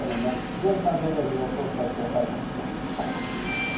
宮城さん、現在の様子を伝えてください。